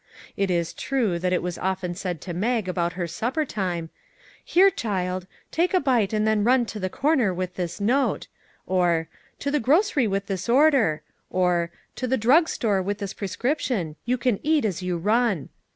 It is true that it was often said to Mag about her supper time, " Here, child, take a bite and then run to the corner with this note," or " to the grocery with this order," or " to the drug store with this prescription ; you can eat as you run."